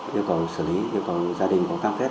yêu cầu xử lý yêu cầu gia đình có cam kết